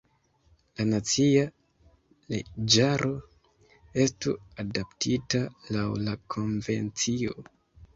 La nacia leĝaro estu adaptita laŭ la konvencio.